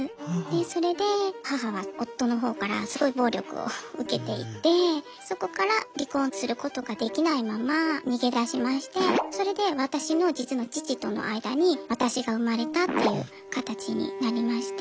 それで母は夫の方からすごい暴力を受けていてそこから離婚することができないまま逃げ出しましてそれで私の実の父との間に私が産まれたっていう形になりまして。